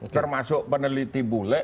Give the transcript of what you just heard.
termasuk peneliti bule